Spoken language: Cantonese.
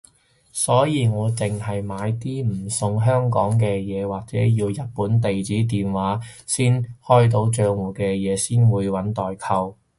所以我淨係買啲唔送香港嘅嘢或者要日本地址電話先開到帳號嘅嘢先會搵代購